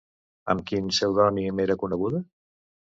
Amb quin pseudònim era coneguda?